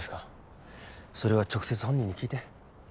それは直接本人に聞いて。